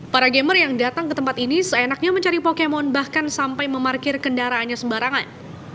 para gamer yang datang ke tempat ini seenaknya mencari pokemon bahkan sampai memarkir kendaraannya sembarangan